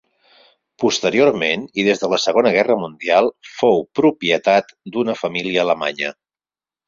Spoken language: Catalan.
Posteriorment, i des de la Segona Guerra Mundial fou propietat d'una família alemanya.